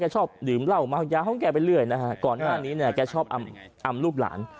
ชอบหนีบเล่ามหนะห่าวย้างใจไปเรื่อยส่วนหน้านี้อำรูปหลาน